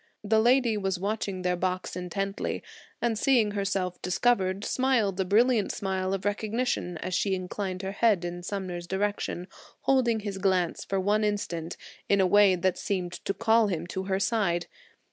The lady was watching their box intently, and seeing herself discovered smiled a brilliant smile of recognition as she inclined her head in Sumner's direction holding his glance for one instant in a way that seemed to call him to her side.